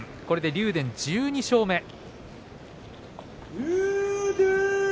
これで竜電１２勝目。